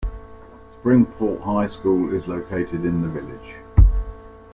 Springport High School is located in the village.